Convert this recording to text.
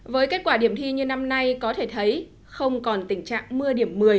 với kết quả điểm thi như năm nay có thể thấy không còn tình trạng mưa điểm một mươi